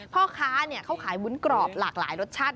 พ่อค้าเขาขายวุ้นกรอบหลากหลายรสชาติ